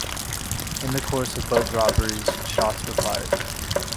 In the course of both robberies, shots were fired.